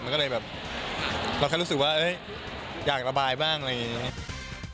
มันก็เลยแบบเราแค่รู้สึกว่าอยากระบายบ้างอะไรอย่างนี้